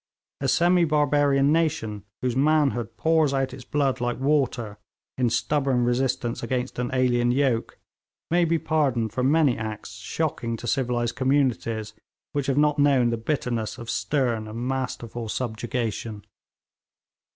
A semi barbarian nation whose manhood pours out its blood like water in stubborn resistance against an alien yoke, may be pardoned for many acts shocking to civilised communities which have not known the bitterness of stern and masterful subjugation.